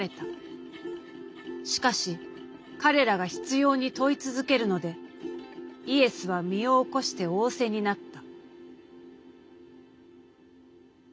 しかし彼らが執拗に問い続けるのでイエスは身を起こして仰せになった」。